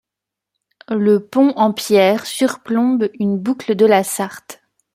Le pont en pierre surplombe une boucle de la Sarthe.